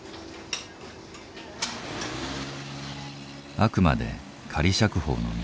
あくまで仮釈放の身。